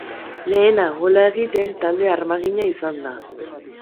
Lehena gola egiten talde armagina izan da.